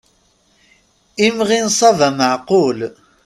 Imɣi n ṣṣaba meεqul.